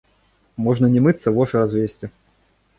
Можна не мыцца, вошы развесці.